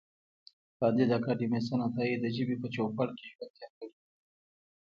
کانديد اکاډميسن عطایي د ژبې په چوپړ کې ژوند تېر کړی دی.